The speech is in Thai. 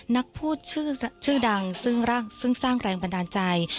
นักพูดชื่อดังซึ่งสร้างแรงบันดาลใจ